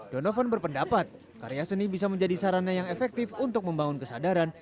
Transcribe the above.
donovan berpendapat karya seni bisa menjadi sarana yang efektif untuk membangun kesadaran